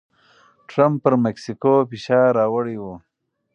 ټرمپ پر مکسیکو فشار راوړی و.